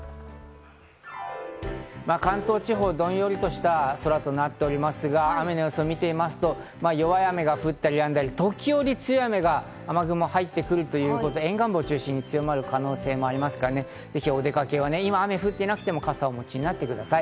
関東地方、どんよりとした空となっておりますが、雨の様子を見てみますと、弱い雨が降ったり止んだり、時折強い雨が雨雲が入っているということで、沿岸部を中心に強まることがありますから、お出かけは今降っていなくても傘をお持ちください。